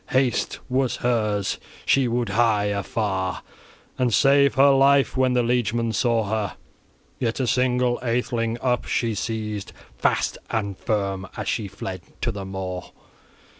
Haste was hers; she would hie afar and save her life when the liegemen saw her. Yet a single atheling up she seized fast and firm, as she fled to the moor.